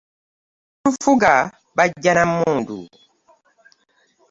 Abatufuga bajja na mmundu.